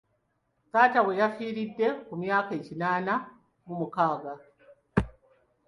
Taata we yafiiridde ku myaka kinaana mu mukaaga.